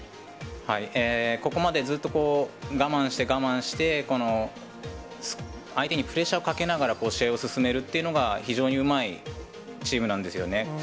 ここまでずっと、我慢して我慢して、この相手にプレッシャーをかけながら、試合を進めるっていうのが、非常にうまいチームなんですよね。